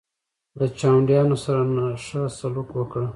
له چاونډیانو سره ښه سلوک وکړه.